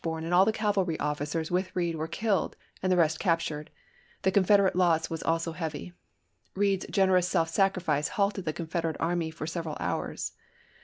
Washburn, and all the cavalry officers with Read were killed and the rest captured; the Confeder ate loss was also heavy. Read's generous self sacrifice halted the Confederate army for several hours.